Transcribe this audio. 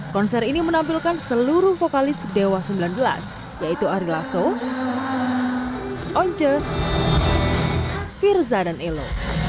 konser ini menampilkan seluruh vokalis dewa sembilan belas yaitu ari lasso once firza dan elo